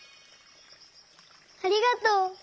ありがとう！